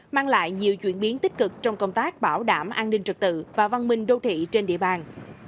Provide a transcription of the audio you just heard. mang lại nhiều chuyển biến tích cực trong công tác bảo đảm an ninh trật tự và văn minh đô thị trên địa bàn